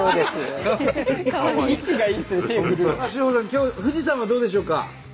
今日富士山はどうでしょうか？